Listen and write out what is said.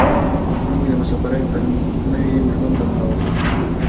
موږ د مساپرۍ نوي ژوند ته ننوځو.